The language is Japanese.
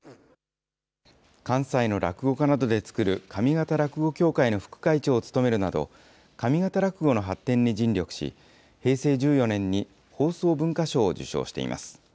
関西の落語家などで作る、上方落語協会の副会長を務めるなど、上方落語の発展に尽力し、平成１４年に放送文化賞を受賞しています。